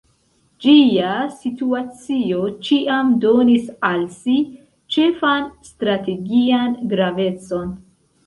Ĝia situacio ĉiam donis al si ĉefan strategian gravecon.